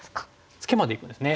ツケまでいくんですね。